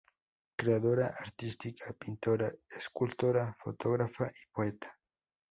Creadora artística, pintora, escultora, fotógrafa y poeta.